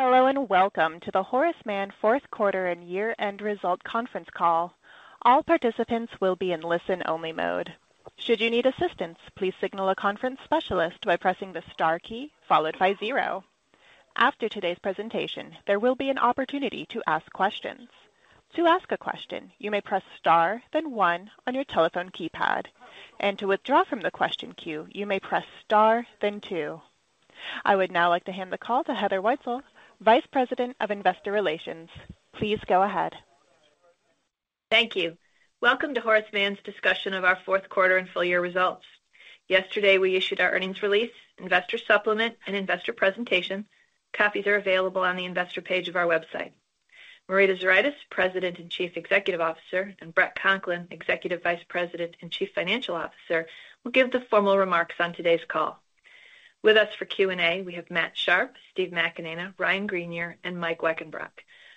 Hello, and welcome to the Horace Mann Q4 and year-end results conference call. All participants will be in listen-only mode. Should you need assistance, please signal a conference specialist by pressing the star key followed by zero. After today's presentation, there will be an opportunity to ask questions. To ask a question, you may press star, then one on your telephone keypad, and to withdraw from the question queue, you may press star, then two. I would now like to hand the call to Heather Wietzel, Vice President of Investor Relations. Please go ahead. Thank you. Welcome to Horace Mann's discussion of our Q4 and full year results. Yesterday, we issued our earnings release, investor supplement, and investor presentation. Copies are available on the investor page of our website. Marita Zuraitis, President and Chief Executive Officer, and Bret Conklin, Executive Vice President and Chief Financial Officer, will give the formal remarks on today's call. With us for Q&A, we have Matt Sharpe, Stephen McAnena, Ryan Greenier, and Mike Weckenbrock.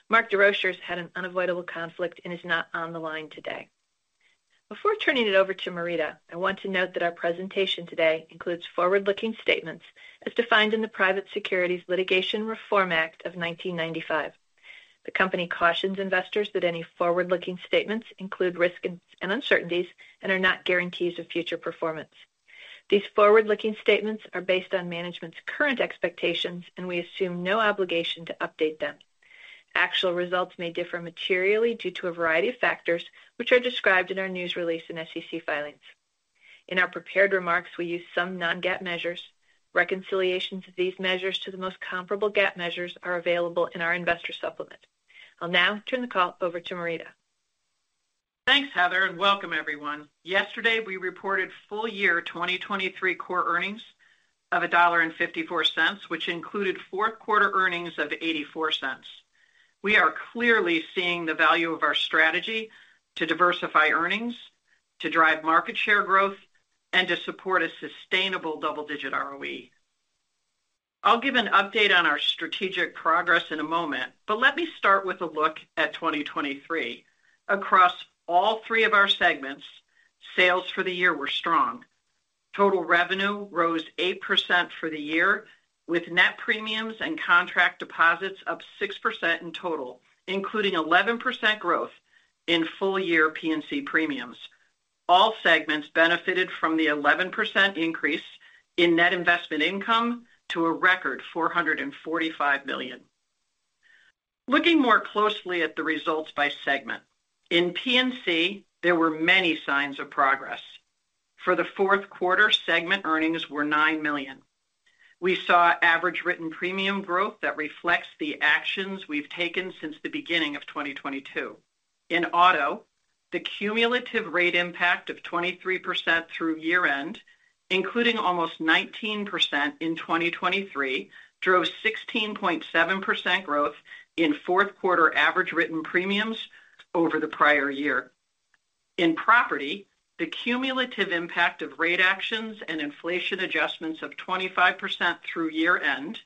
Mark Desrochers had an unavoidable conflict and is not on the line today. Before turning it over to Marita, I want to note that our presentation today includes forward-looking statements as defined in the Private Securities Litigation Reform Act of 1995. The company cautions investors that any forward-looking statements include risks and uncertainties and are not guarantees of future performance. These forward-looking statements are based on management's current expectations, and we assume no obligation to update them. Actual results may differ materially due to a variety of factors, which are described in our news release and SEC filings. In our prepared remarks, we use some non-GAAP measures. Reconciliations of these measures to the most comparable GAAP measures are available in our investor supplement. I'll now turn the call over to Marita. Thanks, Heather, and welcome everyone. Yesterday, we reported full year 2023 core earnings of $1.54, which included Q4 earnings of $0.84. We are clearly seeing the value of our strategy to diversify earnings, to drive market share growth, and to support a sustainable double-digit ROE. I'll give an update on our strategic progress in a moment, but let me start with a look at 2023. Across all three of our segments, sales for the year were strong. Total revenue rose 8% for the year, with net premiums and contract deposits up 6% in total, including 11% growth in full-year P&C premiums. All segments benefited from the 11% increase in net investment income to a record $445 million. Looking more closely at the results by segment. In P&C, there were many signs of progress. For the Q4, segment earnings were $9 million. We saw average written premium growth that reflects the actions we've taken since the beginning of 2022. In auto, the cumulative rate impact of 23% through year-end, including almost 19% in 2023, drove 16.7% growth in Q4 average written premiums over the prior year. In property, the cumulative impact of rate actions and inflation adjustments of 25% through year-end,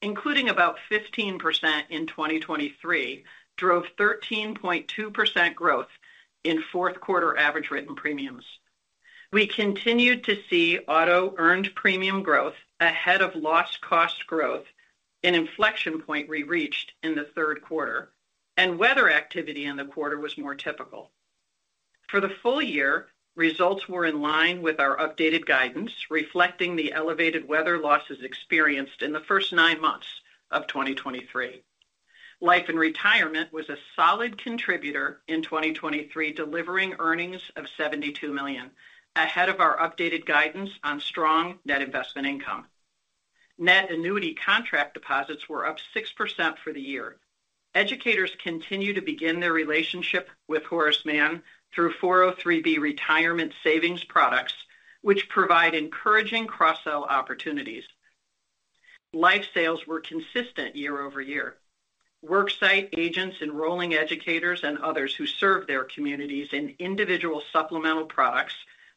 including about 15% in 2023, drove 13.2% growth in Q4 average written premiums. We continued to see auto earned premium growth ahead of loss cost growth, an inflection point we reached in the Q3, and weather activity in the quarter was more typical. For the full year, results were in line with our updated guidance, reflecting the elevated weather losses experienced in the first nine months of 2023. Life and Retirement was a solid contributor in 2023, delivering earnings of $72 million, ahead of our updated guidance on strong net investment income. Net annuity contract deposits were up 6% for the year. Educators continue to begin their relationship with Horace Mann through 403(b) retirement savings products, which provide encouraging cross-sell opportunities. Life sales were consistent year-over-year. Worksite agents enrolling educators and others who serve their communities in individual supplemental products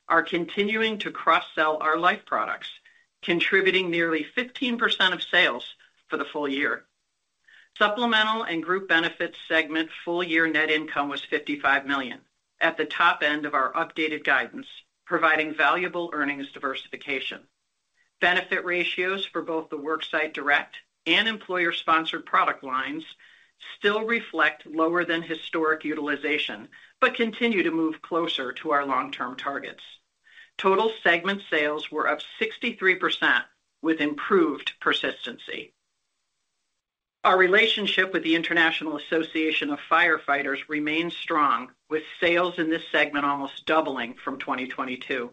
are continuing to cross-sell our life products, contributing nearly 15% of sales for the full year. Supplemental and Group Benefits segment full-year net income was $55 million, at the top end of our updated guidance, providing valuable earnings diversification. Benefit ratios for both the Worksite Direct, and Employer-Sponsored product lines still reflect lower than historic utilization, but continue to move closer to our long-term targets. Total segment sales were up 63% with improved persistency. Our relationship with the International Association of Fire Fighters remains strong, with sales in this segment almost doubling from 2022.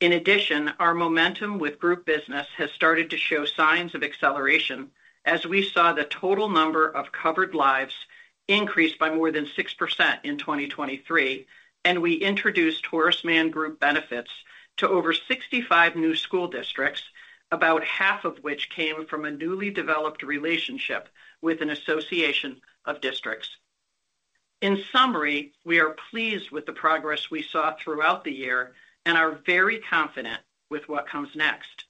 In addition, our momentum with group business has started to show signs of acceleration as we saw the total number of covered lives increase by more than 6% in 2023, and we introduced Horace Mann Group Benefits to over 65 new school districts, about half of which came from a newly developed relationship with an association of districts. In summary, we are pleased with the progress we saw throughout the year and are very confident with what comes next.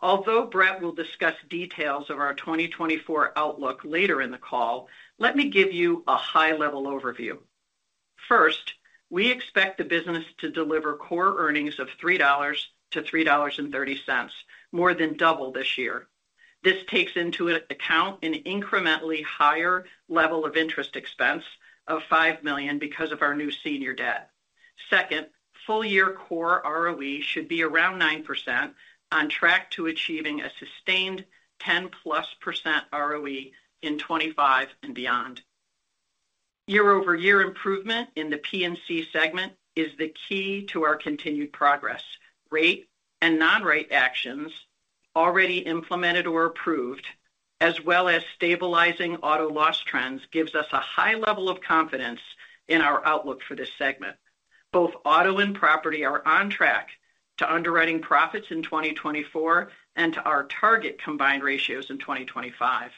Although Bret will discuss details of our 2024 outlook later in the call, let me give you a high-level overview. First, we expect the business to deliver core earnings of $3-$3.30, more than double this year. This takes into account an incrementally higher level of interest expense of $5 million because of our new senior debt. Second, full-year core ROE should be around 9%, on track to achieving a sustained 10%+ ROE in 2025 and beyond. Year-over-year improvement in the P&C segment is the key to our continued progress. Rate and non-rate actions already implemented or approved, as well as stabilizing auto loss trends, gives us a high level of confidence in our outlook for this segment. Both auto and property are on track to underwriting profits in 2024 and to our target combined ratios in 2025.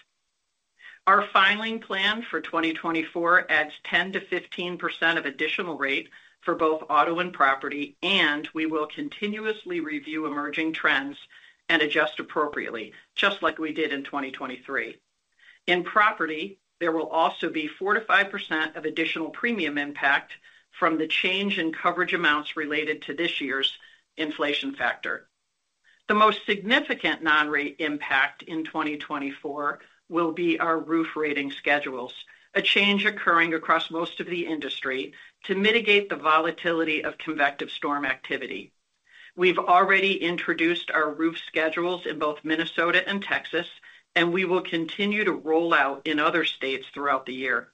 Our filing plan for 2024 adds 10%-15% of additional rate for both auto and property, and we will continuously review emerging trends and adjust appropriately, just like we did in 2023. In property, there will also be 4%-5% of additional premium impact from the change in coverage amounts related to this year's inflation factor. The most significant non-rate impact in 2024 will be our roof rating schedules, a change occurring across most of the industry to mitigate the volatility of convective storm activity. We've already introduced our roof schedules in both Minnesota and Texas, and we will continue to roll out in other states throughout the year.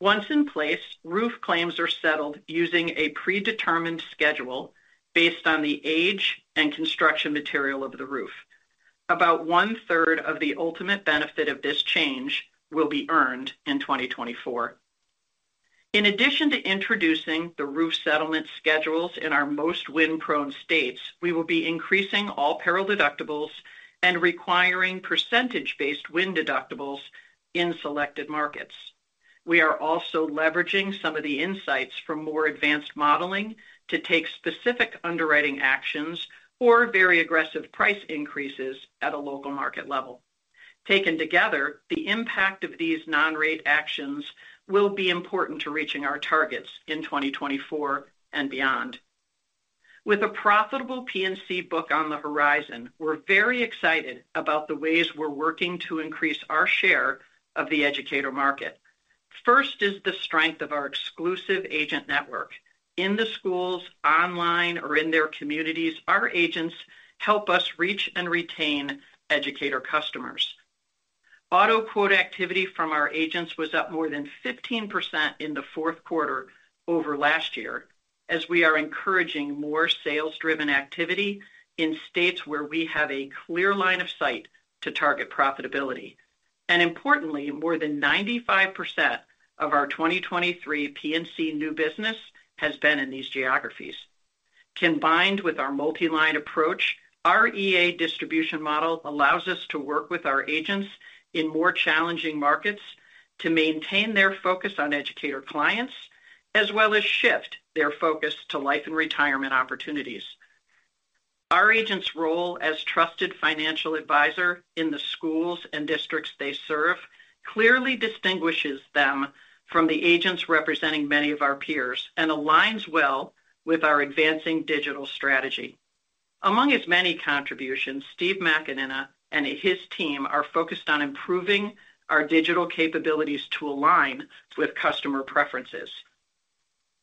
Once in place, roof claims are settled using a predetermined schedule based on the age and construction material of the roof. About one-third of the ultimate benefit of this change will be earned in 2024. In addition to introducing the roof rating schedules in our most wind-prone states, we will be increasing all peril deductibles and requiring percentage-based wind deductibles in selected markets. We are also leveraging some of the insights from more advanced modeling to take specific underwriting actions or very aggressive price increases at a local market level. Taken together, the impact of these non-rate actions will be important to reaching our targets in 2024 and beyond. With a profitable P&C book on the horizon, we're very excited about the ways we're working to increase our share of the educator market. First is the strength of our exclusive agent network. In the schools, online, or in their communities, our agents help us reach and retain educator customers. Auto quote activity from our agents was up more than 15% in the Q4 over last year, as we are encouraging more sales-driven activity in states where we have a clear line of sight to target profitability. Importantly, more than 95% of our 2023 P&C new business has been in these geographies. Combined with our multi-line approach, our EA distribution model allows us to work with our agents in more challenging markets to maintain their focus on educator clients, as well as shift their focus to Life and Retirement opportunities. Our agents' role as trusted financial advisor in the schools and districts they serve clearly distinguishes them from the agents representing many of our peers and aligns well with our advancing digital strategy. Among his many contributions, Stephen McAnena and his team are focused on improving our digital capabilities to align with customer preferences.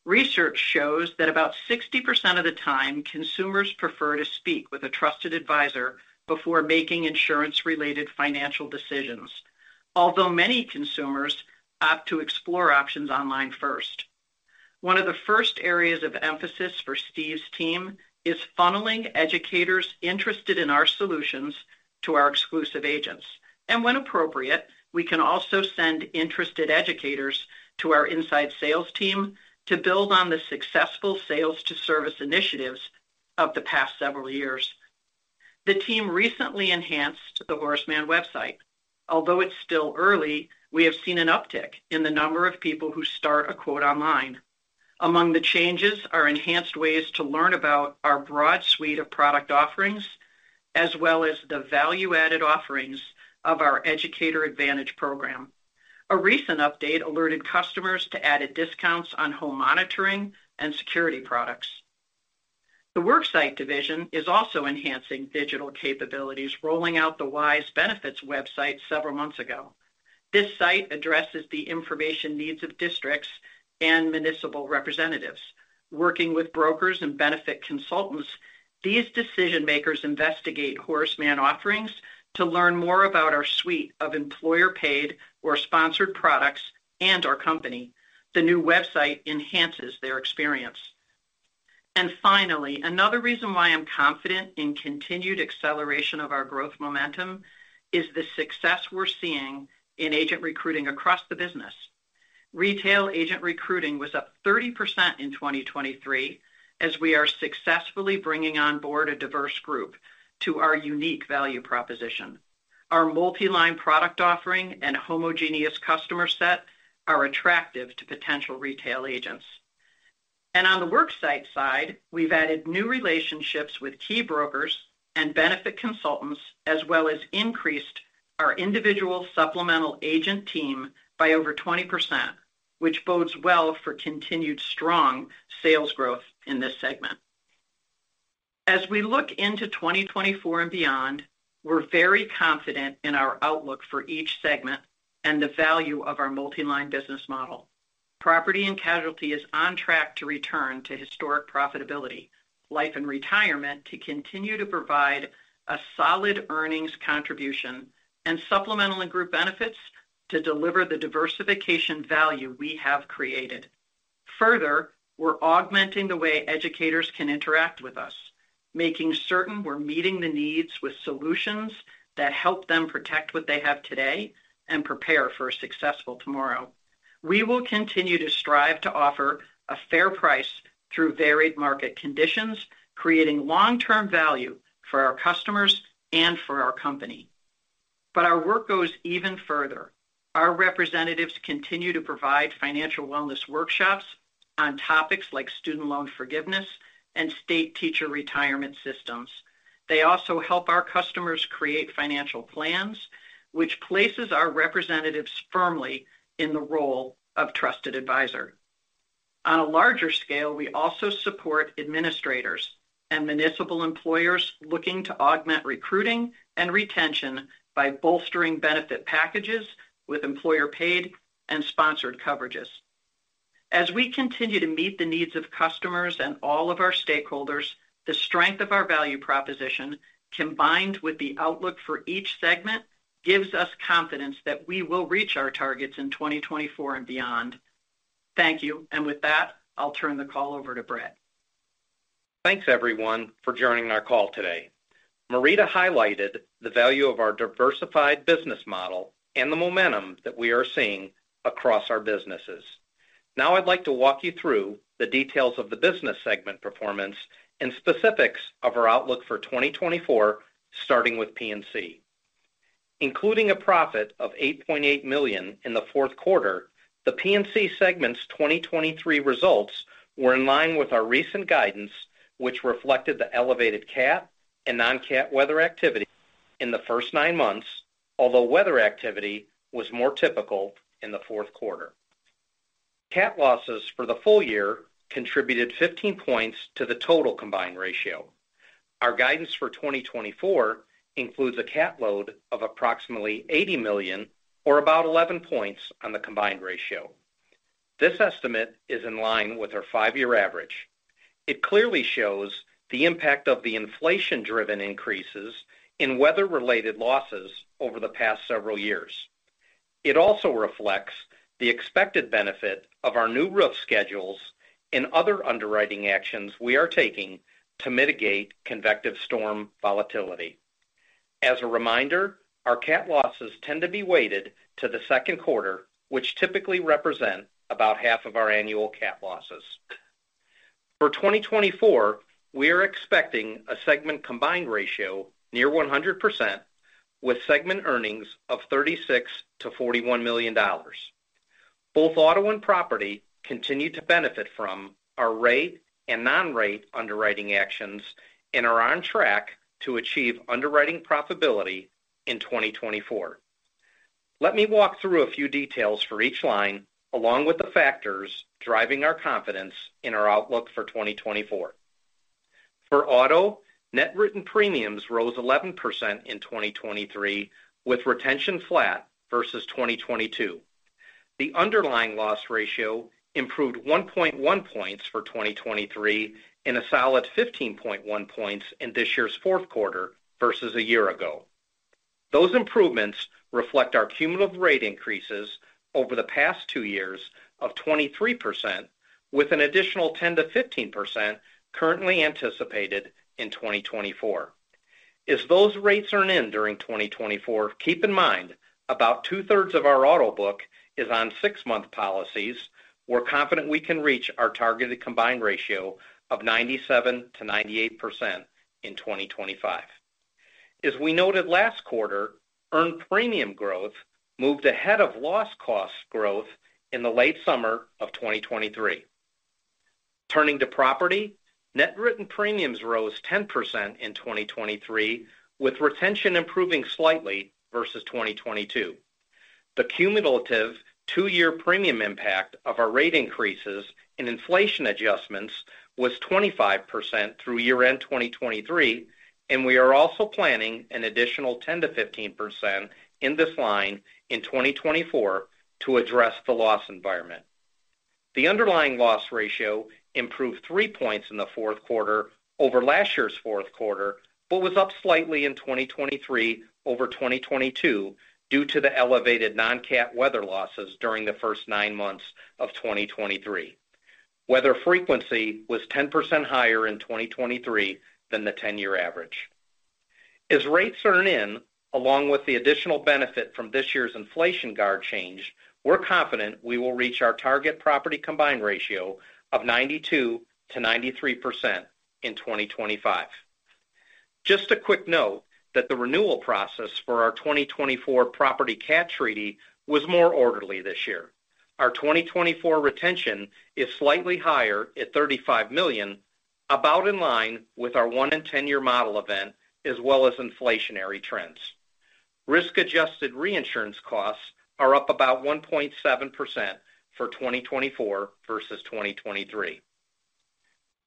Research shows that about 60% of the time, consumers prefer to speak with a trusted advisor before making insurance-related financial decisions, although many consumers opt to explore options online first. One of the first areas of emphasis for Steve's team is funneling educators interested in our solutions to our exclusive agents, and when appropriate, we can also send interested educators to our inside sales team to build on the successful sales to service initiatives of the past several years. The team recently enhanced the Horace Mann website. Although it's still early, we have seen an uptick in the number of people who start a quote online. Among the changes are enhanced ways to learn about our broad suite of product offerings, as well as the value-added offerings of our Educator Advantage Program. A recent update alerted customers to added discounts on home monitoring and security products. The worksite division is also enhancing digital capabilities, rolling out the Wise Benefits website several months ago. This site addresses the information needs of districts and municipal representatives. Working with brokers and benefit consultants, these decision-makers investigate Horace Mann offerings to learn more about our suite of employer-paid or sponsored products and our company. The new website enhances their experience. And finally, another reason why I'm confident in continued acceleration of our growth momentum is the success we're seeing in agent recruiting across the business. Retail agent recruiting was up 30% in 2023, as we are successfully bringing on board a diverse group to our unique value proposition. Our multi-line product offering and homogeneous customer set are attractive to potential retail agents. On the worksite side, we've added new relationships with key brokers and benefit consultants, as well as increased our individual supplemental agent team by over 20%, which bodes well for continued strong sales growth in this segment. As we look into 2024 and beyond, we're very confident in our outlook for each segment and the value of our multiline business model. Property and Casualty is on track to return to historic profitability, Life and Retirement, to continue to provide a solid earnings contribution, and Supplemental and Group Benefits to deliver the diversification value we have created. Further, we're augmenting the way educators can interact with us, making certain we're meeting the needs with solutions that help them protect what they have today and prepare for a successful tomorrow. We will continue to strive to offer a fair price through varied market conditions, creating long-term value for our customers and for our company. But our work goes even further. Our representatives continue to provide financial wellness workshops on topics like student loan forgiveness and state teacher retirement systems. They also help our customers create financial plans, which places our representatives firmly in the role of trusted advisor. On a larger scale, we also support administrators and municipal employers looking to augment recruiting and retention by bolstering benefit packages with employer-paid and sponsored coverages. As we continue to meet the needs of customers and all of our stakeholders, the strength of our value proposition, combined with the outlook for each segment, gives us confidence that we will reach our targets in 2024 and beyond. Thank you. And with that, I'll turn the call over to Bret. Thanks, everyone, for joining our call today. Marita highlighted the value of our diversified business model and the momentum that we are seeing across our businesses. Now I'd like to walk you through the details of the business segment performance and specifics of our outlook for 2024, starting with P&C. Including a profit of $8.8 million in the Q4, the P&C segment's 2023 results were in line with our recent guidance, which reflected the elevated CAT and non-CAT weather activity in the first nine months, although weather activity was more typical in the Q4. CAT losses for the full year contributed 15 points to the total combined ratio. Our guidance for 2024 includes a CAT load of approximately $80 million or about 11 points on the combined ratio. This estimate is in line with our five-year average. It clearly shows the impact of the inflation-driven increases in weather-related losses over the past several years. It also reflects the expected benefit of our new roof schedules and other underwriting actions we are taking to mitigate convective storm volatility. As a reminder, our CAT losses tend to be weighted to the Q2, which typically represent about half of our annual CAT losses. For 2024, we are expecting a segment combined ratio near 100%, with segment earnings of $36 million-$41 million. Both auto and property continue to benefit from our rate and non-rate underwriting actions and are on track to achieve underwriting profitability in 2024. Let me walk through a few details for each line, along with the factors driving our confidence in our outlook for 2024. For auto, net written premiums rose 11% in 2023, with retention flat versus 2022. The underlying loss ratio improved 1.1 points for 2023 and a solid 15.1 points in this year's Q4 versus a year ago. Those improvements reflect our cumulative rate increases over the past two years of 23%, with an additional 10%-15% currently anticipated in 2024. As those rates earn in during 2024, keep in mind, about two-thirds of our auto book is on six-month policies. We're confident we can reach our targeted combined ratio of 97%-98% in 2025. As we noted last quarter, earned premium growth moved ahead of loss cost growth in the late summer of 2023. Turning to property, net written premiums rose 10% in 2023, with retention improving slightly versus 2022. The cumulative two-year premium impact of our rate increases and inflation adjustments was 25% through year-end 2023, and we are also planning an additional 10%-15% in this line in 2024 to address the loss environment. The underlying loss ratio improved three points in the Q4 over last year's Q4, but was up slightly in 2023 over 2022 due to the elevated non-CAT weather losses during the first nine months of 2023. Weather frequency was 10% higher in 2023 than the 10-year average. As rates earn in, along with the additional benefit from this year's Inflation Guard change, we're confident we will reach our target property combined ratio of 92%-93% in 2025. Just a quick note that the renewal process for our 2024 property CAT treaty was more orderly this year. Our 2024 retention is slightly higher at $35 million, about in line with our one-in-10-year model event, as well as inflationary trends. Risk-adjusted reinsurance costs are up about 1.7% for 2024 versus 2023.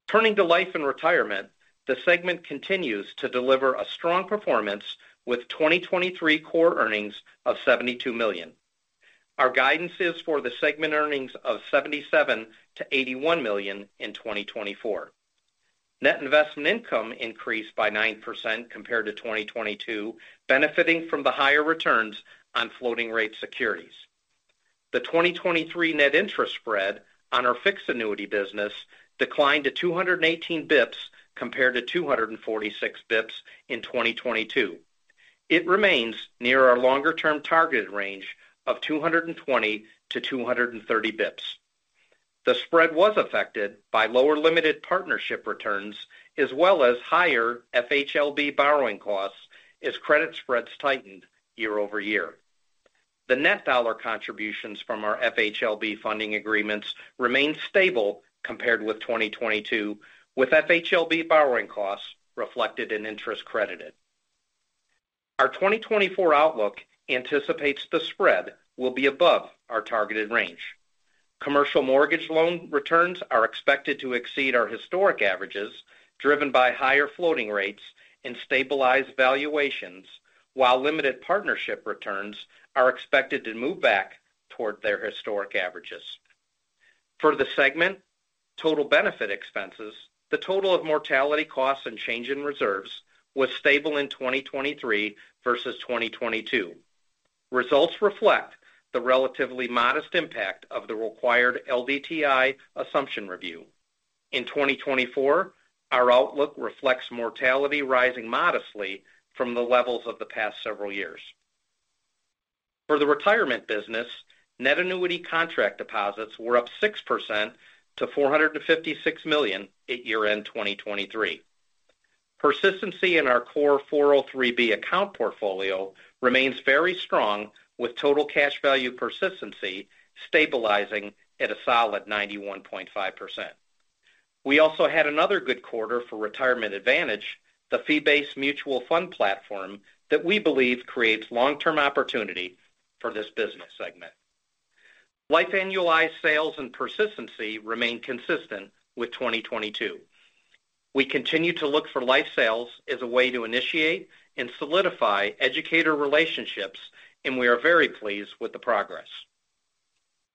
Turning to Life and Retirement, the segment continues to deliver a strong performance with 2023 Core Earnings of $72 million. Our guidance is for the segment earnings of $77 million-$81 million in 2024. Net Investment Income increased by 9% compared to 2022, benefiting from the higher returns on floating rate securities. The 2023 Net Interest Spread on our fixed annuity business declined to 218 bps compared to 246 bps in 2022. It remains near our longer-term targeted range of 220-230 bps. The spread was affected by lower limited partnership returns, as well as higher FHLB borrowing costs as credit spreads tightened year-over-year. The net dollar contributions from our FHLB funding agreements remained stable compared with 2022, with FHLB borrowing costs reflected in interest credited. Our 2024 outlook anticipates the spread will be above our targeted range. Commercial mortgage loan returns are expected to exceed our historic averages, driven by higher floating rates and stabilized valuations, while limited partnership returns are expected to move back toward their historic averages. For the segment, total benefit expenses, the total of mortality costs and change in reserves was stable in 2023 versus 2022. Results reflect the relatively modest impact of the required LDTI assumption review. In 2024, our outlook reflects mortality rising modestly from the levels of the past several years. For the retirement business, net annuity contract deposits were up 6% to $456 million at year-end 2023. Persistency in our core 403(b) account portfolio remains very strong, with total cash value persistency stabilizing at a solid 91.5%. We also had another good quarter for Retirement Advantage, the fee-based mutual fund platform that we believe creates long-term opportunity for this business segment. Life annualized sales and persistency remain consistent with 2022. We continue to look for life sales as a way to initiate and solidify educator relationships, and we are very pleased with the progress.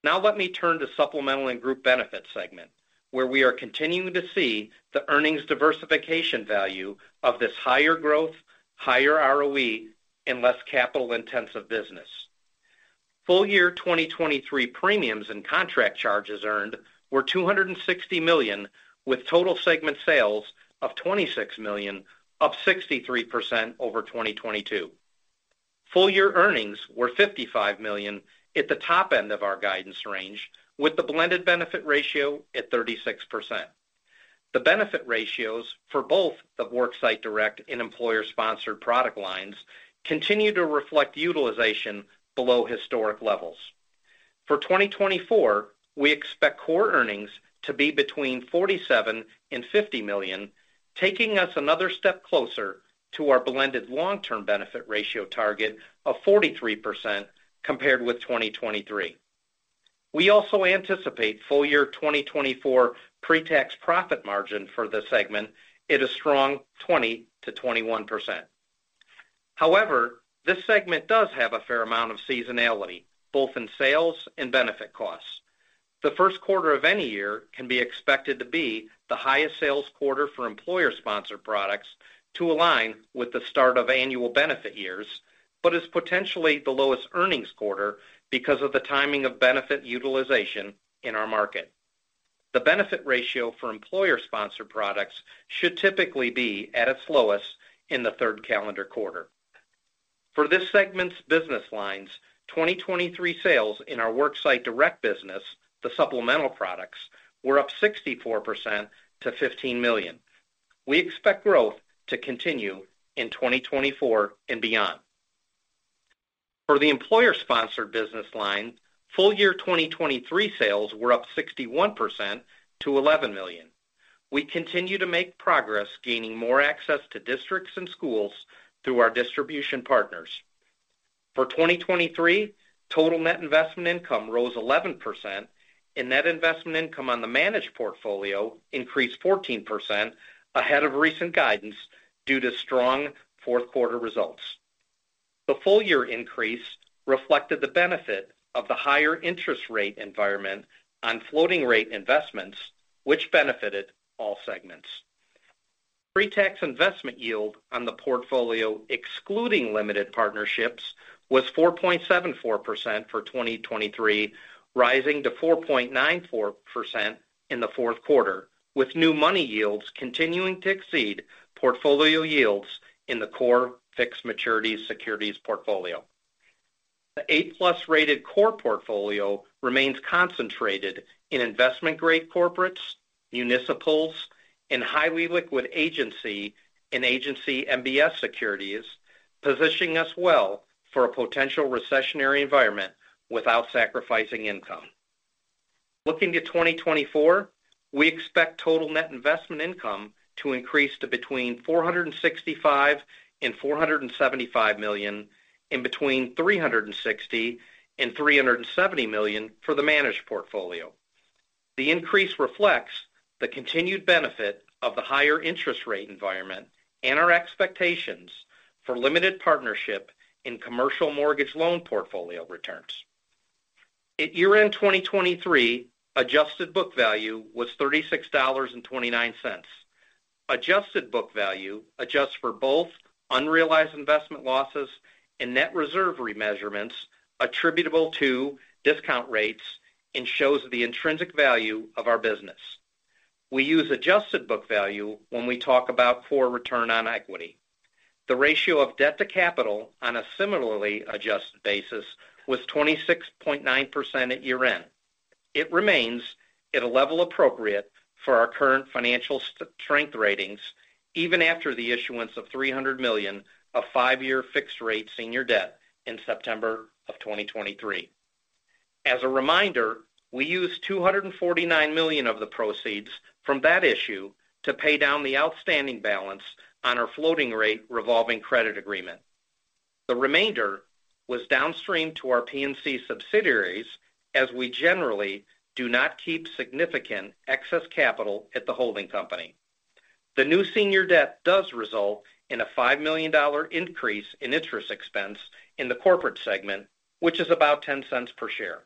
Now let me turn to Supplemental and Group Benefits segment, where we are continuing to see the earnings diversification value of this higher growth, higher ROE, and less capital-intensive business. Full year 2023 premiums and contract charges earned were $260 million, with total segment sales of $26 million, up 63% over 2022. Full year earnings were $55 million at the top end of our guidance range, with the blended benefit ratio at 36%. The benefit ratios for both the Worksite Direct and Employer-Sponsored product lines continue to reflect utilization below historic levels. For 2024, we expect core earnings to be between $47 million and $50 million, taking us another step closer to our blended long-term benefit ratio target of 43% compared with 2023. We also anticipate full year 2024 pre-tax profit margin for this segment at a strong 20%-21%. However, this segment does have a fair amount of seasonality, both in sales and benefit costs. The Q1 of any year can be expected to be the highest sales quarter for Employer-Sponsored products to align with the start of annual benefit years, but is potentially the lowest earnings quarter because of the timing of benefit utilization in our market. The benefit ratio for Employer-Sponsored products should typically be at its lowest in the third calendar quarter. For this segment's business lines, 2023 sales in our Worksite Direct business, the supplemental products, were up 64% to $15 million. We expect growth to continue in 2024 and beyond. For the Employer-Sponsored business line, full year 2023 sales were up 61% to $11 million. We continue to make progress, gaining more access to districts and schools through our distribution partners. For 2023, total net investment income rose 11%, and net investment income on the managed portfolio increased 14% ahead of recent guidance due to strong Q4 results. The full year increase reflected the benefit of the higher interest rate environment on floating rate investments, which benefited all segments. Pre-tax investment yield on the portfolio, excluding limited partnerships, was 4.74% for 2023, rising to 4.94% in the Q4, with new money yields continuing to exceed portfolio yields in the core fixed maturity securities portfolio. The A+ rated core portfolio remains concentrated in investment-grade corporates, municipals, and highly liquid agency and agency MBS securities, positioning us well for a potential recessionary environment without sacrificing income. Looking to 2024, we expect total net investment income to increase to between $465 million and $475 million and between $360 million and $370 million for the managed portfolio. The increase reflects the continued benefit of the higher interest rate environment and our expectations for limited partnership in commercial mortgage loan portfolio returns. At year-end 2023, Adjusted Book Value was $36.29. Adjusted Book Value adjusts for both unrealized investment losses and net reserve remeasurements attributable to discount rates and shows the intrinsic value of our business. We use Adjusted Book Value when we talk about core return on equity. The ratio of debt to capital on a similarly adjusted basis was 26.9% at year-end. It remains at a level appropriate for our current financial strength ratings, even after the issuance of $300 million of 5-year fixed rate senior debt in September of 2023. As a reminder, we used $249 million of the proceeds from that issue to pay down the outstanding balance on our floating rate revolving credit agreement. The remainder was downstreamed to our P&C subsidiaries, as we generally do not keep significant excess capital at the holding company. The new senior debt does result in a $5 million increase in interest expense in the corporate segment, which is about $0.10 per share.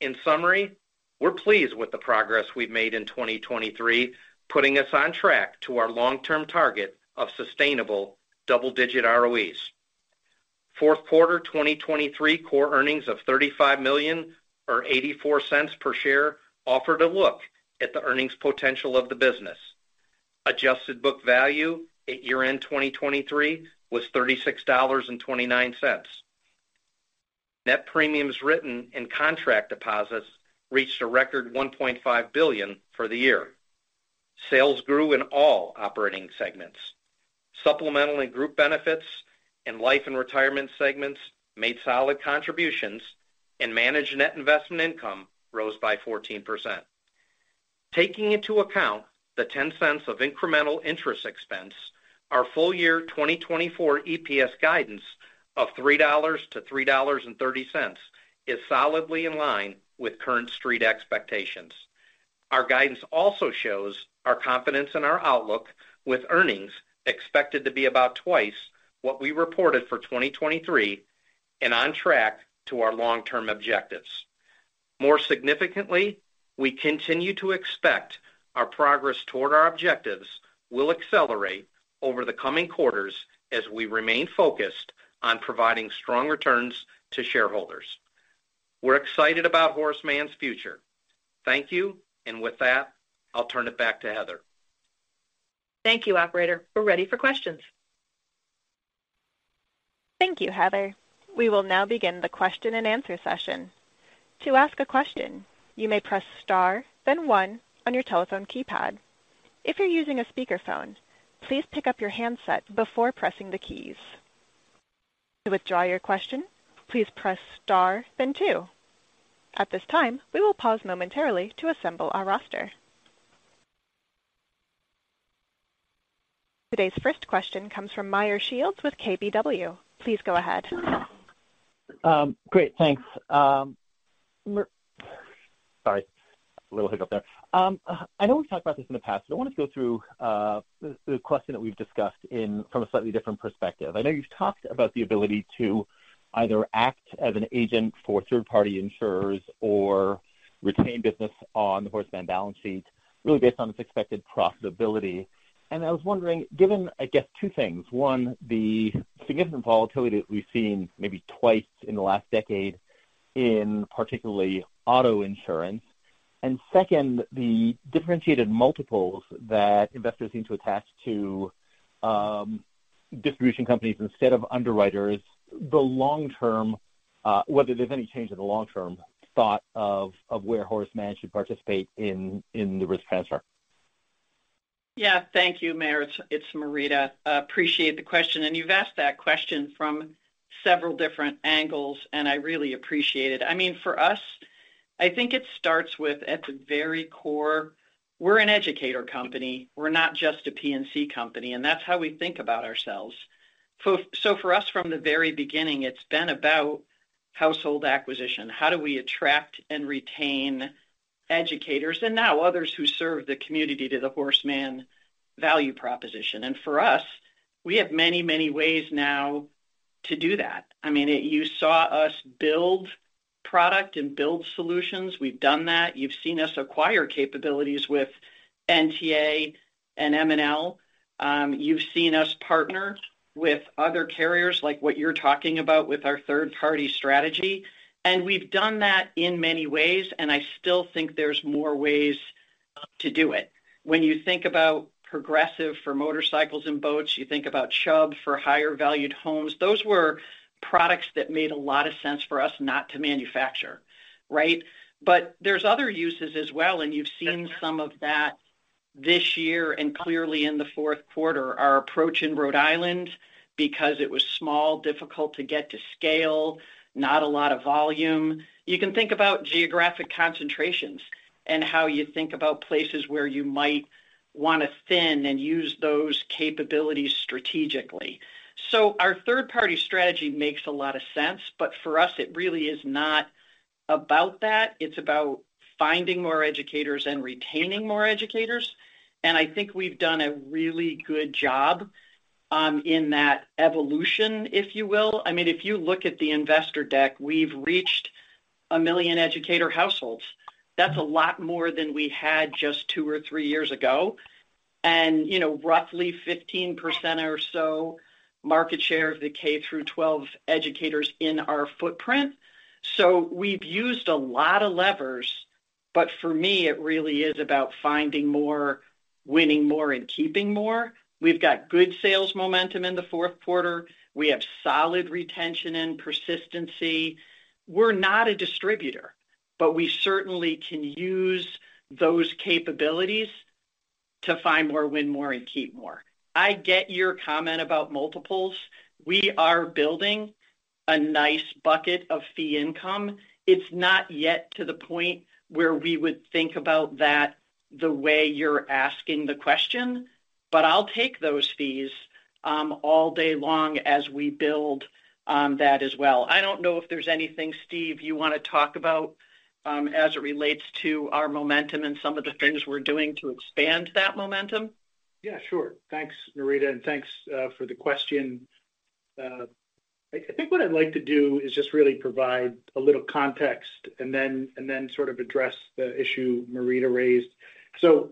In summary, we're pleased with the progress we've made in 2023, putting us on track to our long-term target of sustainable double-digit ROEs. Q4 2023 core earnings of $35 million, or $0.84 per share, offered a look at the earnings potential of the business. Adjusted Book Value at year-end 2023 was $36.29. Net premiums written and contract deposits reached a record $1.5 billion for the year. Sales grew in all operating segments. Supplemental and Group Benefits in Life and Retirement segments made solid contributions, and managed net investment income rose by 14%. Taking into account the $0.10 of incremental interest expense, our full year 2024 EPS guidance of $3.00-$3.30 is solidly in line with current Street expectations. Our guidance also shows our confidence in our outlook, with earnings expected to be about twice what we reported for 2023 and on track to our long-term objectives. More significantly, we continue to expect our progress toward our objectives will accelerate over the coming quarters as we remain focused on providing strong returns to shareholders. We're excited about Horace Mann's future. Thank you, and with that, I'll turn it back to Heather. Thank you, operator. We're ready for questions. Thank you, Heather. We will now begin the question-and-answer session. To ask a question, you may press star, then one on your telephone keypad. If you're using a speakerphone, please pick up your handset before pressing the keys. To withdraw your question, please press star, then two. At this time, we will pause momentarily to assemble our roster. Today's first question comes from Meyer Shields with KBW. Please go ahead. Great. Thanks. Sorry, a little hiccup there. I know we've talked about this in the past, but I wanted to go through the question that we've discussed it from a slightly different perspective. I know you've talked about the ability to either act as an agent for third-party insurers or retain business on the Horace Mann balance sheet, really based on its expected profitability. And I was wondering, given, I guess, two things: one, the significant volatility that we've seen maybe twice in the last decade in particularly auto insurance, and second, the differentiated multiples that investors seem to attach to distribution companies instead of underwriters. In the long term, whether there's any change in the long term thought of where Horace Mann should participate in the risk transfer. Yeah. Thank you, Meyer. It's Marita. I appreciate the question, and you've asked that question from several different angles, and I really appreciate it. I mean, for us, I think it starts with, at the very core, we're an educator company. We're not just a P&C company, and that's how we think about ourselves. So for us, from the very beginning, it's been about household acquisition. How do we attract and retain educators, and now others who serve the community, to the Horace Mann value proposition? And for us, we have many, many ways now to do that. I mean, it. You saw us build product and build solutions. We've done that. You've seen us acquire capabilities with NTA and MNL. You've seen us partner with other carriers, like what you're talking about with our third-party strategy, and we've done that in many ways, and I still think there's more ways-... to do it. When you think about Progressive for motorcycles and boats, you think about Chubb for higher valued homes, those were products that made a lot of sense for us not to manufacture, right? But there's other uses as well, and you've seen some of that this year and clearly in the Q4. Our approach in Rhode Island, because it was small, difficult to get to scale, not a lot of volume. You can think about geographic concentrations and how you think about places where you might want to thin and use those capabilities strategically. So our third-party strategy makes a lot of sense, but for us, it really is not about that. It's about finding more educators and retaining more educators, and I think we've done a really good job in that evolution, if you will. I mean, if you look at the investor deck, we've reached 1 million educator households. That's a lot more than we had just two or three years ago, and, you know, roughly 15% or so market share of the K through 12 educators in our footprint. So we've used a lot of levers, but for me, it really is about finding more, winning more, and keeping more. We've got good sales momentum in the Q4. We have solid retention and persistency. We're not a distributor, but we certainly can use those capabilities to find more, win more, and keep more. I get your comment about multiples. We are building a nice bucket of fee income. It's not yet to the point where we would think about that the way you're asking the question, but I'll take those fees all day long as we build that as well. I don't know if there's anything, Steve, you want to talk about as it relates to our momentum and some of the things we're doing to expand that momentum. Yeah, sure. Thanks, Marita, and thanks for the question. I think what I'd like to do is just really provide a little context and then sort of address the issue Marita raised. So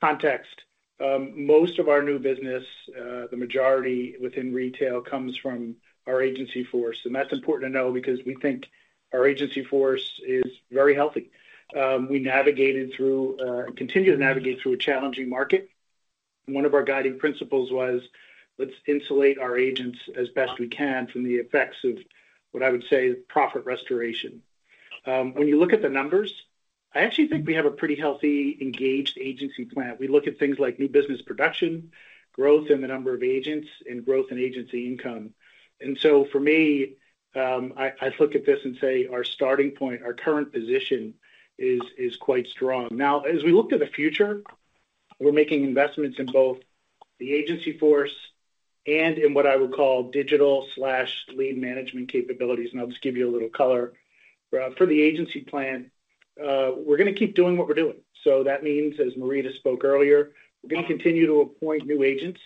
context. Most of our new business, the majority within retail, comes from our agency force, and that's important to know because we think our agency force is very healthy. We navigated through continue to navigate through a challenging market. One of our guiding principles was, let's insulate our agents as best we can from the effects of what I would say is profit restoration. When you look at the numbers, I actually think we have a pretty healthy, engaged agency plan. We look at things like new business production, growth in the number of agents, and growth in agency income. And so for me, I look at this and say our starting point, our current position is quite strong. Now, as we look to the future, we're making investments in both the agency force and in what I would call digital/lead management capabilities, and I'll just give you a little color. For the agency plan, we're gonna keep doing what we're doing. So that means, as Marita spoke earlier, we're gonna continue to appoint new agents.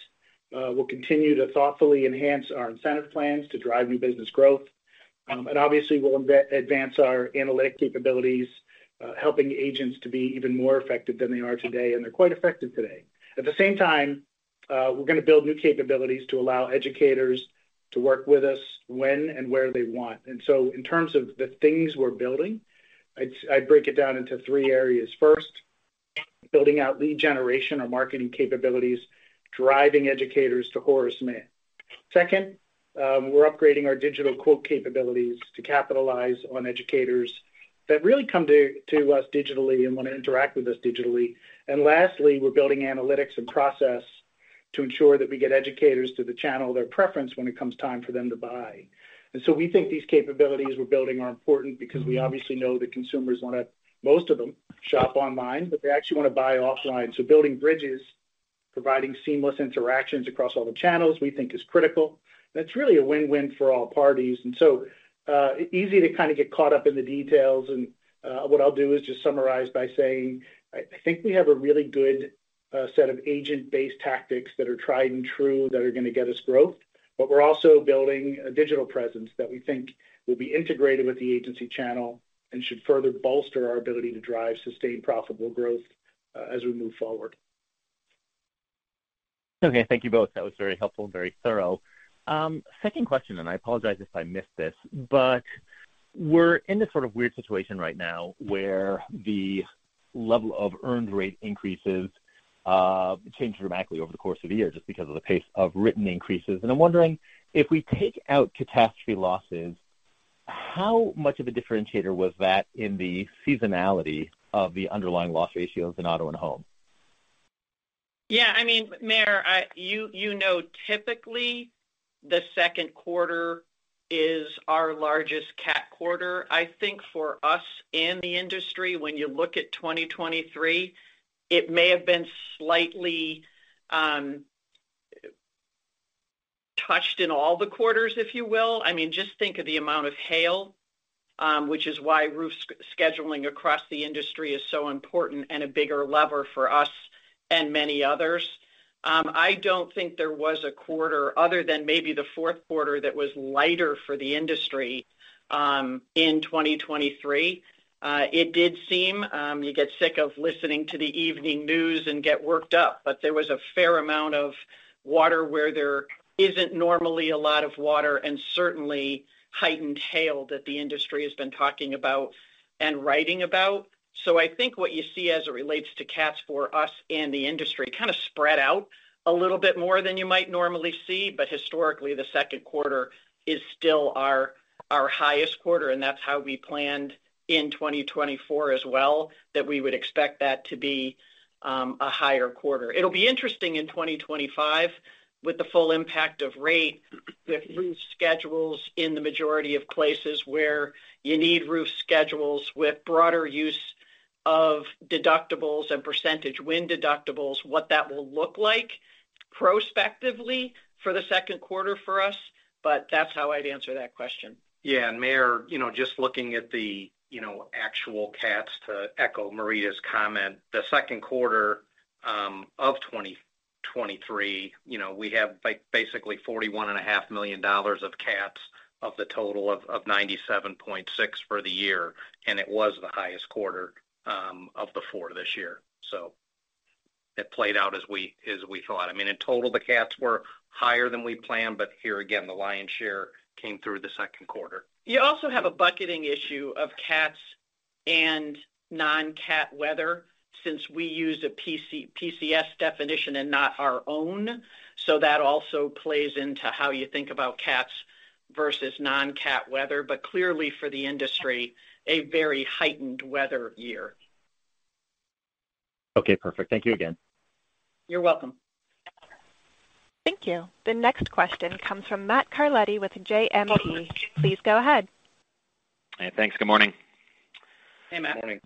We'll continue to thoughtfully enhance our incentive plans to drive new business growth. And obviously, we'll advance our analytic capabilities, helping agents to be even more effective than they are today, and they're quite effective today. At the same time, we're gonna build new capabilities to allow educators to work with us when and where they want. And so in terms of the things we're building, I'd break it down into three areas. First, building out lead generation or marketing capabilities, driving educators to Horace Mann. Second, we're upgrading our digital quote capabilities to capitalize on educators that really come to us digitally and want to interact with us digitally. And lastly, we're building analytics and process to ensure that we get educators to the channel of their preference when it comes time for them to buy. And so we think these capabilities we're building are important because we obviously know that consumers wanna, most of them, shop online, but they actually wanna buy offline. So building bridges, providing seamless interactions across all the channels, we think is critical. That's really a win-win for all parties, and so easy to kind of get caught up in the details. What I'll do is just summarize by saying I, I think we have a really good set of agent-based tactics that are tried and true, that are gonna get us growth, but we're also building a digital presence that we think will be integrated with the agency channel and should further bolster our ability to drive sustained, profitable growth as we move forward. Okay, thank you both. That was very helpful and very thorough. Second question, and I apologize if I missed this, but we're in this sort of weird situation right now where the level of earned rate increases changed dramatically over the course of the year just because of the pace of written increases. And I'm wondering, if we take out catastrophe losses, how much of a differentiator was that in the seasonality of the underlying loss ratios in auto and home? Yeah, I mean, Meyer, you know, typically, the Q2 is our largest CAT quarter. I think for us and the industry, when you look at 2023, it may have been slightly touched in all the quarters, if you will. I mean, just think of the amount of hail, which is why roof scheduling across the industry is so important and a bigger lever for us and many others. I don't think there was a quarter, other than maybe the Q4, that was lighter for the industry, in 2023. It did seem you get sick of listening to the evening news and get worked up, but there was a fair amount of water where there isn't normally a lot of water, and certainly heightened hail that the industry has been talking about and writing about. So I think what you see as it relates to CATs for us in the industry, kind of spread out a little bit more than you might normally see, but historically, the Q2 is still our highest quarter, and that's how we planned in 2024 as well, that we would expect that to be a higher quarter. It'll be interesting in 2025 with the full impact of rate, with roof schedules in the majority of places where you need roof schedules, with broader use of deductibles and percentage wind deductibles, what that will look like prospectively for the Q2 for us. But that's how I'd answer that question. Yeah, and Marita, you know, just looking at the, you know, actual CATs, to echo Marita's comment, the Q2 of 2023, you know, we have basically $41.5 million of CATs of the total of $97.6 million for the year, and it was the highest quarter of the four this year. So it played out as we thought. I mean, in total, the CATs were higher than we planned, but here again, the lion's share came through the Q2. You also have a bucketing issue of CATs and non-CAT weather, since we use a PCS definition and not our own. So that also plays into how you think about CATs versus non-CAT weather, but clearly for the industry, a very heightened weather year. Okay, perfect. Thank you again. You're welcome. Thank you. The next question comes from Matt Carletti with JMP. Please go ahead. Hey, thanks. Good morning. Hey, Matt. Morning.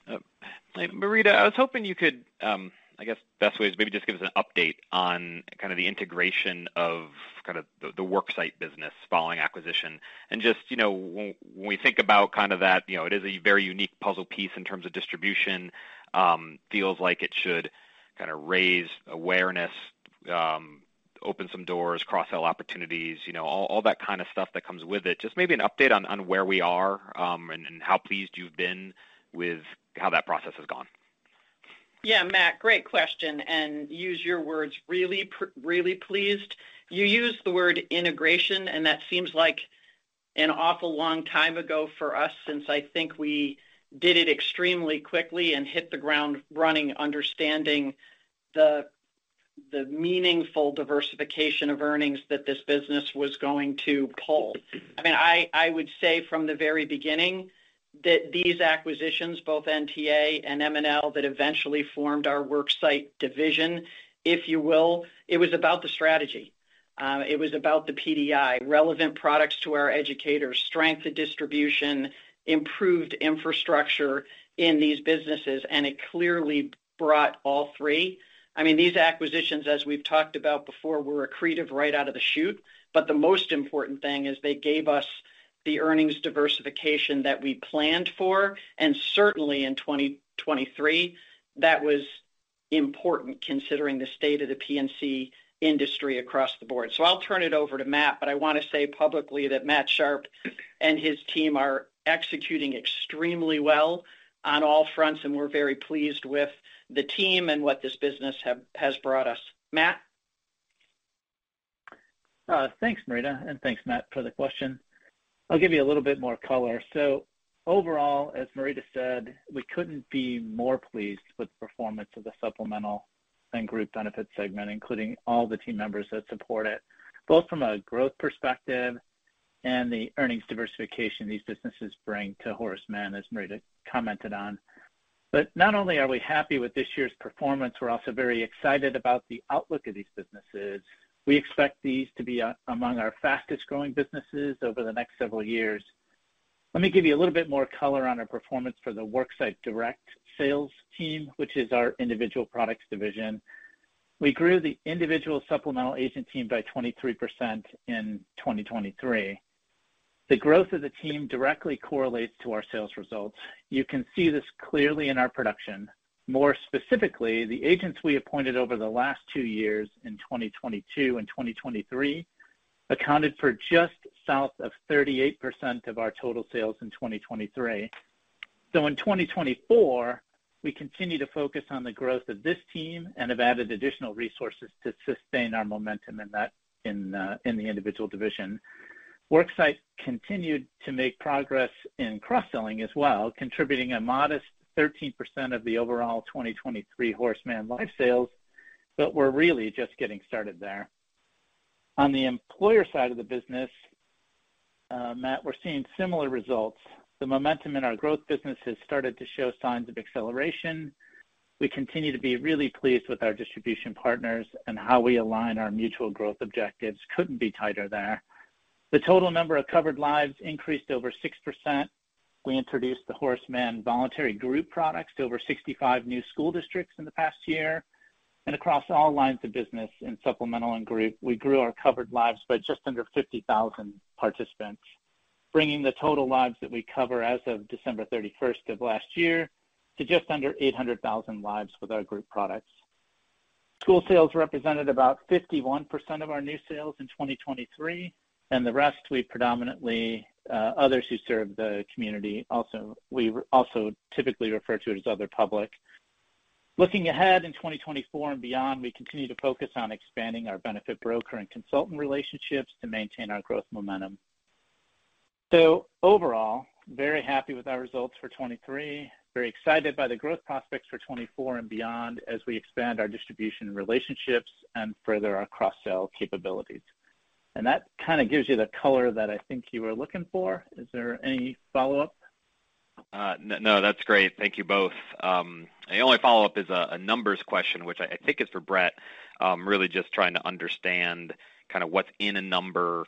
Marita, I was hoping you could give us an update on kind of the integration of kind of the Worksite business following acquisition. And just, you know, when we think about kind of that, you know, it is a very unique puzzle piece in terms of distribution, feels like it should kind of raise awareness, open some doors, cross-sell opportunities, you know, all that kind of stuff that comes with it. Just maybe an update on where we are, and how pleased you've been with how that process has gone. Yeah, Matt, great question, and use your words, really pleased. You used the word integration, and that seems like an awful long time ago for us, since I think we did it extremely quickly and hit the ground running, understanding the meaningful diversification of earnings that this business was going to pull. I mean, I would say from the very beginning that these acquisitions, both NTA and MNL, that eventually formed our worksite division, if you will, it was about the strategy. It was about the PDI, relevant products to our educators, strength of distribution, improved infrastructure in these businesses, and it clearly brought all three. I mean, these acquisitions, as we've talked about before, were accretive right out of the chute, but the most important thing is they gave us the earnings diversification that we planned for, and certainly in 2023, that was important considering the state of the P&C industry across the board. So I'll turn it over to Matt, but I want to say publicly that Matt Sharpe and his team are executing extremely well on all fronts, and we're very pleased with the team and what this business has brought us. Matt? Thanks, Marita, and thanks, Matt, for the question. I'll give you a little bit more color. So overall, as Marita said, we couldn't be more pleased with the performance of the Supplemental and Group Benefit segment, including all the team members that support it, both from a growth perspective and the earnings diversification these businesses bring to Horace Mann, as Marita commented on. But not only are we happy with this year's performance, we're also very excited about the outlook of these businesses. We expect these to be, among our fastest-growing businesses over the next several years. Let me give you a little bit more color on our performance for the Worksite Direct sales team, which is our individual products division. We grew the individual supplemental agent team by 23% in 2023. The growth of the team directly correlates to our sales results. You can see this clearly in our production. More specifically, the agents we appointed over the last two years, in 2022 and 2023, accounted for just south of 38% of our total sales in 2023. So in 2024, we continue to focus on the growth of this team and have added additional resources to sustain our momentum in that in the individual division. Worksite continued to make progress in cross-selling as well, contributing a modest 13% of the overall 2023 Horace Mann life sales, but we're really just getting started there. On the employer side of the business, Matt, we're seeing similar results. The momentum in our growth business has started to show signs of acceleration. We continue to be really pleased with our distribution partners, and how we align our mutual growth objectives couldn't be tighter there. The total number of covered lives increased over 6%. We introduced the Horace Mann voluntary group products to over 65 new school districts in the past year, and across all lines of business in Supplemental and Group, we grew our covered lives by just under 50,000 participants.... bringing the total lives that we cover as of December 31st of last year, to just under 800,000 lives with our group products. School sales represented about 51% of our new sales in 2023, and the rest, we predominantly, others who serve the community also. We also typically refer to it as other public. Looking ahead in 2024 and beyond, we continue to focus on expanding our benefit broker and consultant relationships to maintain our growth momentum. So overall, very happy with our results for 2023. Very excited by the growth prospects for 2024 and beyond as we expand our distribution relationships and further our cross-sell capabilities. And that kind of gives you the color that I think you were looking for. Is there any follow-up? No, that's great. Thank you both. The only follow-up is a numbers question, which I think is for Bret. Really just trying to understand kind of what's in a number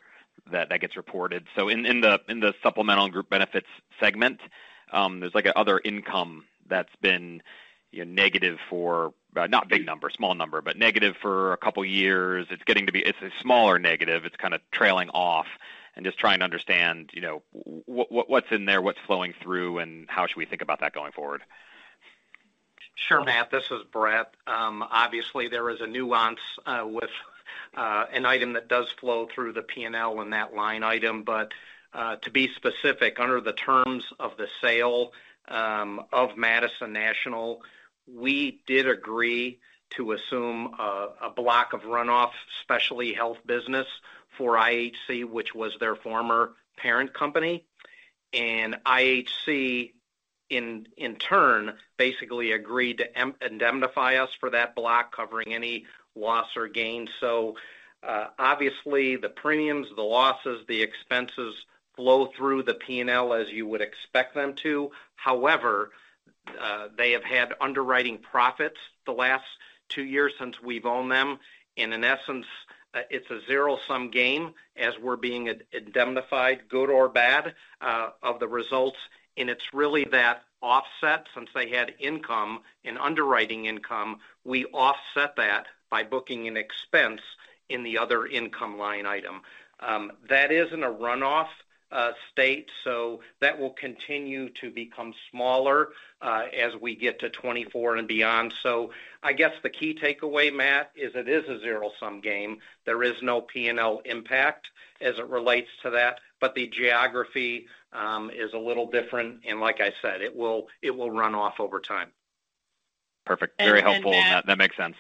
that gets reported. So in the Supplemental and Group Benefits segment, there's, like, an other income that's been negative—not big number, small number, but negative—for a couple of years. It's getting to be a smaller negative. It's kind of trailing off and just trying to understand, you know, what's in there, what's flowing through, and how should we think about that going forward? Sure, Matt, this is Bret. Obviously, there is a nuance with an item that does flow through the P&L in that line item. But to be specific, under the terms of the sale of Madison National, we did agree to assume a block of runoff, specialty health business for IHC, which was their former parent company. And IHC, in turn, basically agreed to indemnify us for that block, covering any loss or gain. So, obviously, the premiums, the losses, the expenses flow through the P&L, as you would expect them to. However, they have had underwriting profits the last two years since we've owned them, and in essence, it's a zero-sum game as we're being indemnified, good or bad, of the results. And it's really that offset. Since they had income, an underwriting income, we offset that by booking an expense in the other income line item. That is in a runoff state, so that will continue to become smaller as we get to 2024 and beyond. So I guess the key takeaway, Matt, is it is a zero-sum game. There is no P&L impact as it relates to that, but the geography is a little different, and like I said, it will, it will run off over time. Perfect. Very helpful. And, Matt- That makes sense.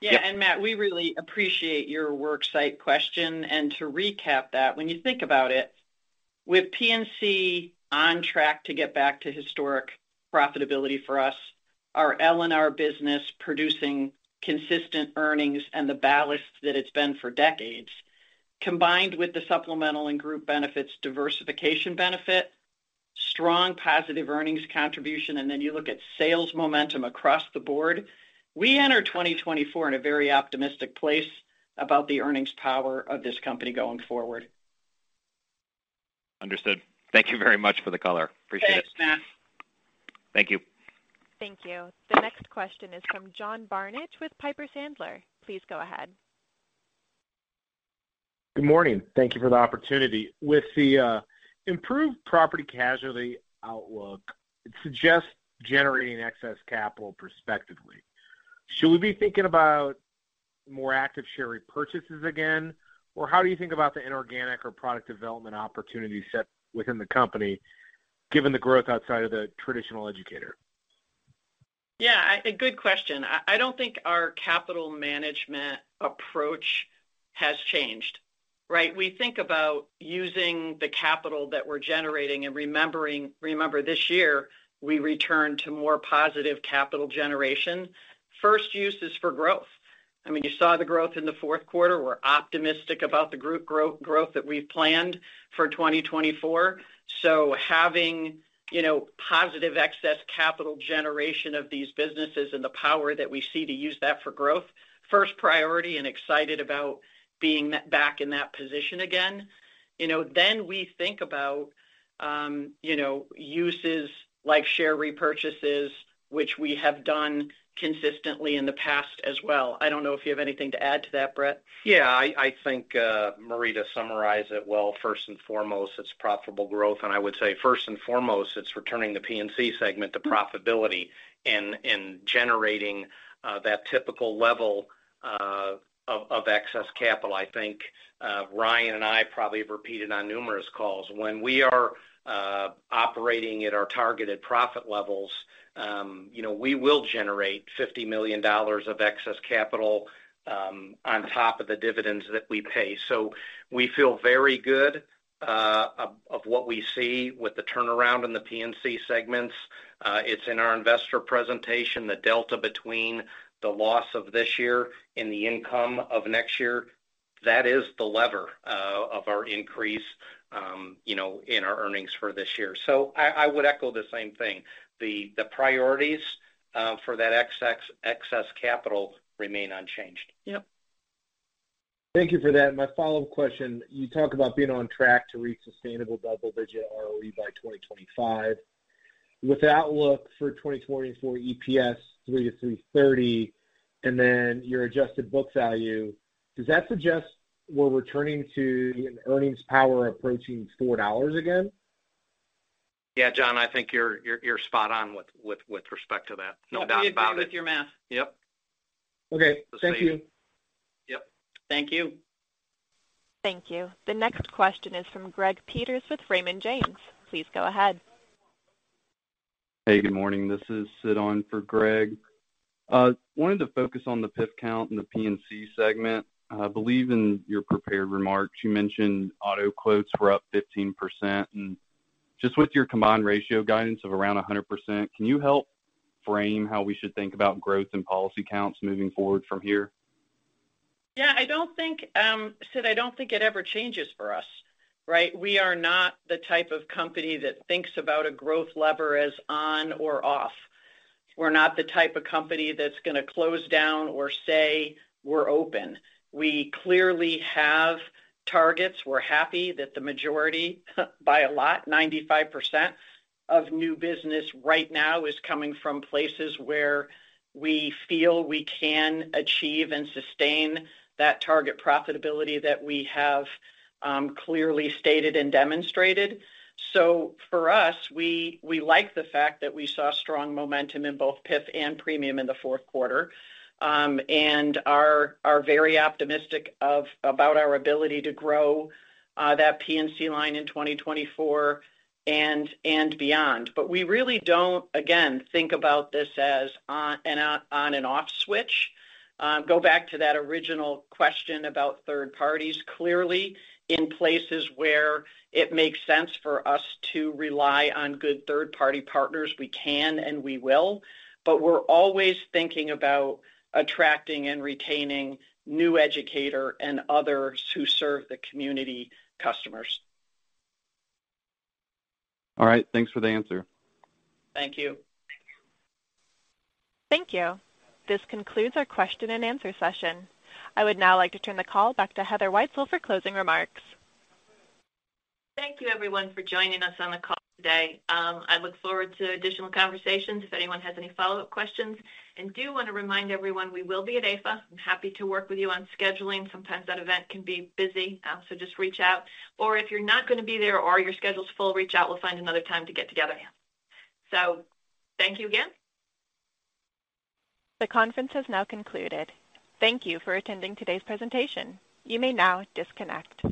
Yeah, and Matt, we really appreciate your worksite question. And to recap that, when you think about it, with P&C on track to get back to historic profitability for us, our L&R business producing consistent earnings and the ballast that it's been for decades, combined with the Supplemental and Group Benefits diversification benefit, strong positive earnings contribution, and then you look at sales momentum across the board, we enter 2024 in a very optimistic place about the earnings power of this company going forward. Understood. Thank you very much for the color. Appreciate it. Thanks, Matt. Thank you. Thank you. The next question is from John Barnidge with Piper Sandler. Please go ahead. Good morning. Thank you for the opportunity. With the improved property casualty outlook, it suggests generating excess capital prospectively. Should we be thinking about more active share repurchases again, or how do you think about the inorganic or product development opportunity set within the company, given the growth outside of the traditional educator? Yeah, a good question. I don't think our capital management approach has changed, right? We think about using the capital that we're generating, and remember, this year, we returned to more positive capital generation. First use is for growth. I mean, you saw the growth in the Q4. We're optimistic about the group growth, growth that we've planned for 2024. So having, you know, positive excess capital generation of these businesses and the power that we see to use that for growth, first priority and excited about being back in that position again. You know, then we think about, you know, uses like share repurchases, which we have done consistently in the past as well. I don't know if you have anything to add to that, Bret. Yeah, I think Marita summarized it well. First and foremost, it's profitable growth, and I would say, first and foremost, it's returning the P&C segment to profitability and generating that typical level of excess capital. I think Ryan and I probably have repeated on numerous calls, when we are operating at our targeted profit levels, you know, we will generate $50 million of excess capital on top of the dividends that we pay. So we feel very good of what we see with the turnaround in the P&C segments. It's in our investor presentation, the delta between the loss of this year and the income of next year. That is the lever of our increase, you know, in our earnings for this year. So I would echo the same thing. The priorities for that excess capital remain unchanged. Yep. Thank you for that. My follow-up question: You talk about being on track to reach sustainable double-digit ROE by 2025.... with the outlook for 2024 EPS $3-$3.30, and then your Adjusted Book Value, does that suggest we're returning to an earnings power approaching $4 again? Yeah, John, I think you're spot on with respect to that. No doubt about it. We agree with your math. Yep. Okay. Thank you. Yep. Thank you. Thank you. The next question is from Greg Peters with Raymond James. Please go ahead. Hey, good morning. This is Sid on for Greg. Wanted to focus on the PIF count and the P&C segment. I believe in your prepared remarks, you mentioned auto quotes were up 15%. Just with your combined ratio guidance of around 100%, can you help frame how we should think about growth and policy counts moving forward from here? Yeah, I don't think, Sid, I don't think it ever changes for us, right? We are not the type of company that thinks about a growth lever as on or off. We're not the type of company that's going to close down or say we're open. We clearly have targets. We're happy that the majority, by a lot, 95% of new business right now is coming from places where we feel we can achieve and sustain that target profitability that we have, clearly stated and demonstrated. So for us, we like the fact that we saw strong momentum in both PIF and premium in the Q4, and are very optimistic about our ability to grow, that P&C line in 2024 and beyond. But we really don't, again, think about this as on and off, an on-and-off switch. Go back to that original question about third parties. Clearly, in places where it makes sense for us to rely on good third-party partners, we can, and we will, but we're always thinking about attracting and retaining new educator and others who serve the community customers. All right. Thanks for the answer. Thank you. Thank you. This concludes our question and answer session. I would now like to turn the call back to Heather Wietzel for closing remarks. Thank you, everyone, for joining us on the call today. I look forward to additional conversations if anyone has any follow-up questions. And do want to remind everyone we will be at AIFA. I'm happy to work with you on scheduling. Sometimes that event can be busy, so just reach out, or if you're not going to be there or your schedule's full, reach out, we'll find another time to get together. So thank you again. The conference has now concluded. Thank you for attending today's presentation. You may now disconnect.